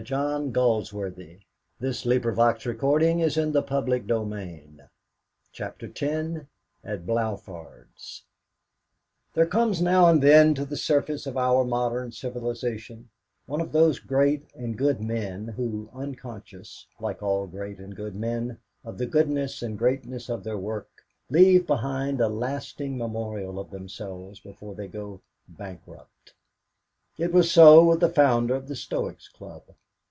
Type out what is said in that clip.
It was long before he left the windy streets to go to his home. CHAPTER X AT BLAFARD'S There comes now and then to the surface of our modern civilisation one of those great and good men who, unconscious, like all great and good men, of the goodness and greatness of their work, leave behind a lasting memorial of themselves before they go bankrupt. It was so with the founder of the Stoics' Club.